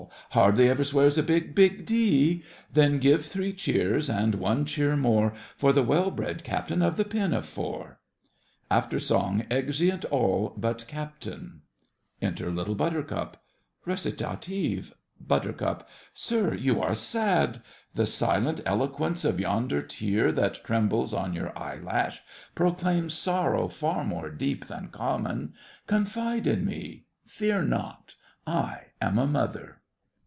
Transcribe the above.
Hardly ever swears a big, big D— Then give three cheers, and one cheer more, For the well bred Captain of the Pinafore! [After song exeunt all but CAPTAIN] Enter LITTLE BUTTERCUP RECITATIVE BUT. Sir, you are sad! The silent eloquence Of yonder tear that trembles on your eyelash Proclaims a sorrow far more deep than common; Confide in me—fear not—I am a mother!